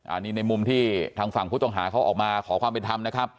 อันนี้ในมุมที่ทางฝั่งผู้ต้องหาเขาออกมาขอความเป็นธรรมนะครับ